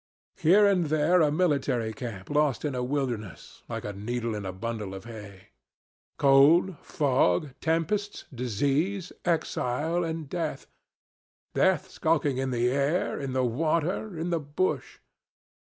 Here and there a military camp lost in a wilderness, like a needle in a bundle of hay cold, fog, tempests, disease, exile, and death, death skulking in the air, in the water, in the bush.